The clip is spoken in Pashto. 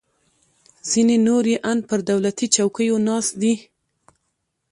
ځینې نور یې ان پر دولتي چوکیو ناست دي